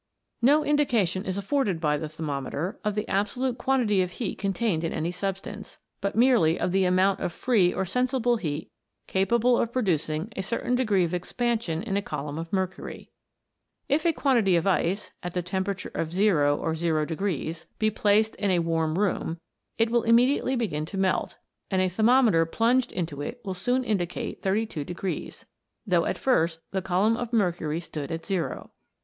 No indication is afforded by the thermometer of the absolute quantity of heat contained in any substance, but merely of the amount of free or sensible heat capable of producing a certain degree of expansion in a column of mercury. If a quan tity of ice, at the temperature of zero, or 0, be placed in a warm room, it will immediately begin to melt, and a thermometer plunged into it will soon indicate 32, though at first the column of mercury stood at zero.